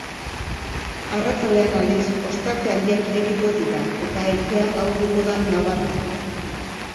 Arratsaldean aldiz, ostarte handiak irekiko dira eta haizea ahulduko da nabarmen.